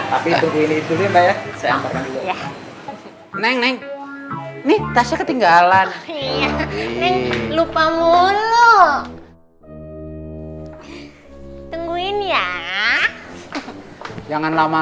abang neng minta aslinya dua ya